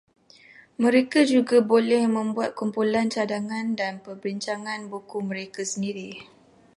Mereka juga boleh membuat kumpulan cadangan dan perbincangan buku mereka sendiri